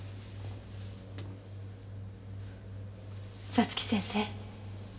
早月先生